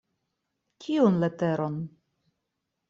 Kiun leteron?